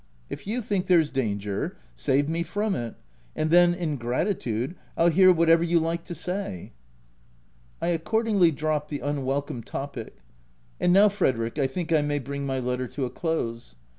If you think there's danger, save me from it ; and then, in gratitude, I'll hear whatever you like to say/' I accordingly dropped the unwelcome topic. And now, Frederick, I think I may bring my letter to a close.